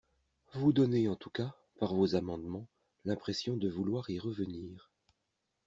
Vous donnez en tout cas, par vos amendements, l’impression de vouloir y revenir.